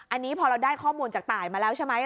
อันนี้พอเราได้ข้อมูลจากตายมาแล้วใช่ไหม